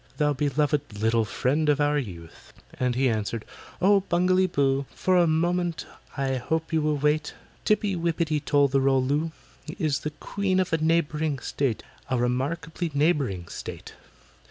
Thou beloved little friend of our youth!" And he answered, "Oh, BUNGALEE BOO, For a moment I hope you will wait,— TIPPY WIPPITY TOL THE ROL LOO Is the Queen of a neighbouring state— A remarkably neighbouring state.